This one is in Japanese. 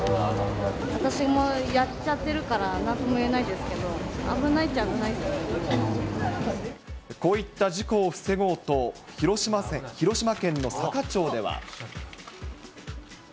私もやっちゃってるから、なんとも言えないですけど、こういった事故を防ごうと、広島県の坂町では。